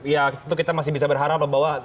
ya itu kita masih bisa berharap bahwa